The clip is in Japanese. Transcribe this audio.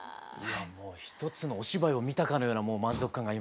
もう一つのお芝居を見たかのような満足感が今。